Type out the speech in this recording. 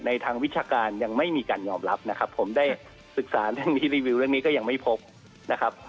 ทางวิชาการยังไม่มีการยอมรับนะครับผมได้ศึกษาเรื่องนี้รีวิวเรื่องนี้ก็ยังไม่พบนะครับ